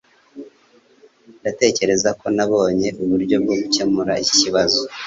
Ndatekereza ko nabonye uburyo bwo gukemura iki kibazo.